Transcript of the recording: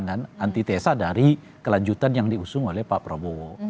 dan antitesa dari kelanjutan yang diusung oleh pak prabowo